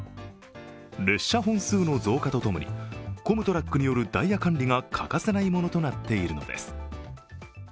列車本数の増加とともにコムトラックによるダイヤ管理が欠かせないものとなっているんです。